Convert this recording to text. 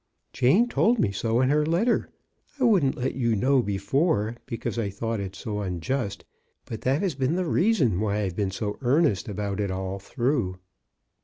Jane told me so in her letter. I wouldn't let you know before because I thought it so unjust. But that has been the reason why I've been so earnest about it all through."